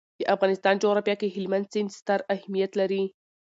د افغانستان جغرافیه کې هلمند سیند ستر اهمیت لري.